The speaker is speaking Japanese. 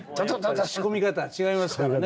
仕込み方が違いますからね